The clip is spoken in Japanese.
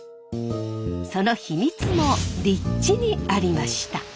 その秘密も立地にありました。